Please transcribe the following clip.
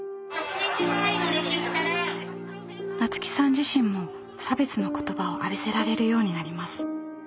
自身も差別の言葉を浴びせられるようになります。